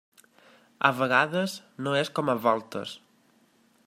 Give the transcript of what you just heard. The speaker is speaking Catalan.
A vegades no és com a voltes.